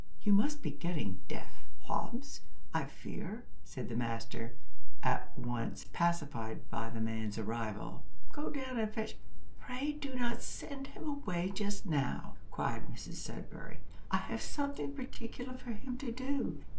"You must be getting deaf; Hobbs, I fear," said the master, at once pacified by the man's arrival; "go down and fetch " "Pray do not send him away just now," cried Mrs Sudberry: "I have something particular for him to do.